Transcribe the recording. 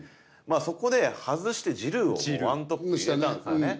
そこで外してジルーをワントップで入れたんですよね。